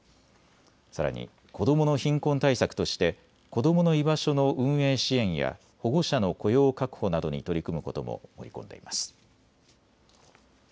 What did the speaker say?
さらに、子どもの貧困対策として子どもの居場所の運営支援や保護者の雇用確保などに取り組むことも盛り込んでいます。